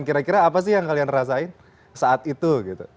kira kira apa sih yang kalian rasain saat itu gitu